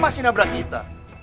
masih nabrak kita